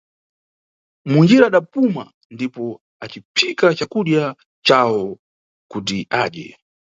Munjira adapuma ndipo aciphika cakudya cawo kuti adye.